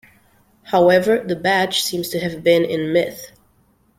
However, the badge seems to have been in myth.